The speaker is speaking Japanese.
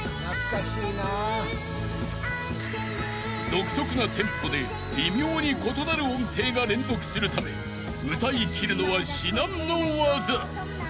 ［独特なテンポで微妙に異なる音程が連続するため歌いきるのは至難の業］